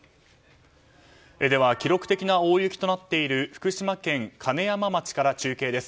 では記録的な大雪となっている福島県金山町から中継です。